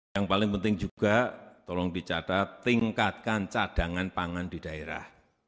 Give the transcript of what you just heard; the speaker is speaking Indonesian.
yang paling penting juga tolong dicatat tingkatkan cadangan pangan di daerah